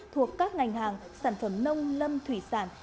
thuộc các ngành hàng sản phẩm nông lâm thủy sản